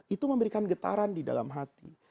itu memberikan getaran di dalam hati